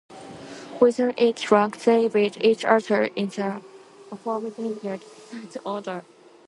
Within each rank they beat each other in the aforementioned suit order.